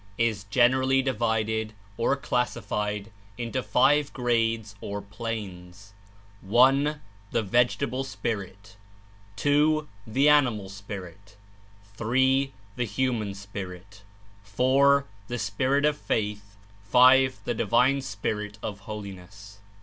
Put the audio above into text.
Is generally divided or classified Into five grades or Spirit planes, i. The vegetable spirit; 2. The animal spirit; 3. The human spirit; 4. The Spirit of Faith; 5. The Divine Spirit of Holiness.